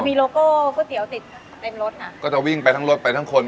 มีโลโก้ก๋วยเตี๋ยวติดเต็มรถอ่ะก็จะวิ่งไปทั้งรถไปทั้งคน